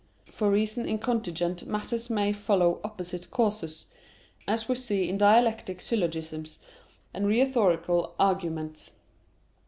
For reason in contingent matters may follow opposite courses, as we see in dialectic syllogisms and rhetorical arguments.